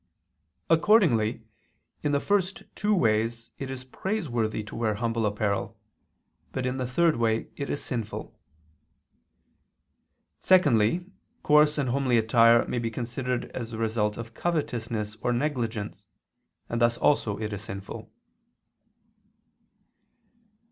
Accordingly in the first two ways it is praiseworthy to wear humble apparel, but in the third way it is sinful. Secondly, coarse and homely attire may be considered as the result of covetousness or negligence, and thus also it is sinful.